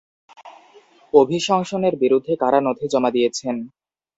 অভিশংসনের বিরুদ্ধে কারা নথি জমা দিয়েছেন?